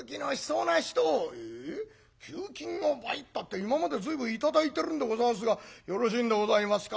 給金を倍ったって今まで随分頂いてるんでござんすがよろしいんでございますか？